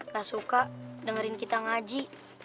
gak suka dengerin kita ngaji